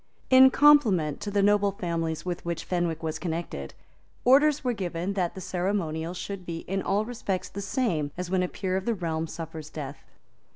In compliment to the noble families with which Fenwick was connected, orders were given that the ceremonial should be in all respects the same as when a peer of the realm suffers death.